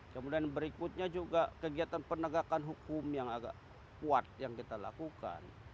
kemudian berikutnya juga kegiatan penegakan hukum yang agak kuat yang kita lakukan